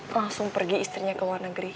langsung pergi istrinya ke luar negeri